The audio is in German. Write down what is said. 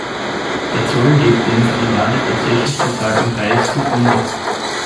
Der Zoll legt den für die Ware tatsächlich gezahlten Preis zu Grunde.